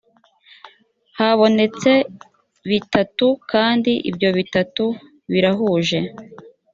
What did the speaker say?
habonetse bitatu kandi ibyo bitatu birahuje .